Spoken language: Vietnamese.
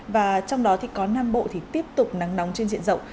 và trong đó thì có nam bộ thì tiếp tục nắng nóng trên diện rộng